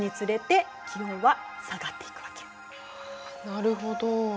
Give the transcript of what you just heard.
なるほど。